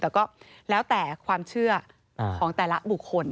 แต่ก็แล้วแต่ความเชื่อของแต่ละบุคคล